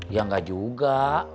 ya gak juga